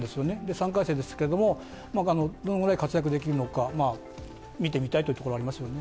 ３回生ですけれども、どのぐらい活躍できるのか見てみたいというところがありますよね。